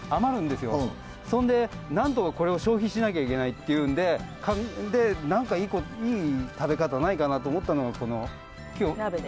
そんでなんとかこれを消費しなきゃいけないっていうんでで何かいい食べ方ないかなと思ったのがこの今日紹介するもつ鍋。